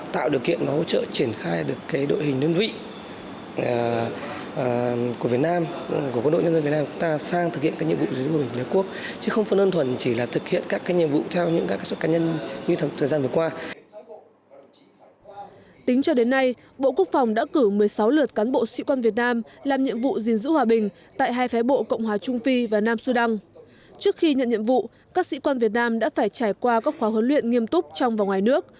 trước khi nhận nhiệm vụ các sĩ quan việt nam đã phải trải qua các khóa huấn luyện nghiêm túc trong và ngoài nước